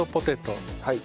はい。